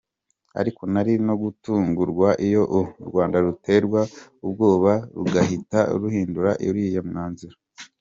Ariko nari no gutungurwa iyo u Rwanda ruterwa ubwoba rugahita ruhindura uriya mwanzuro.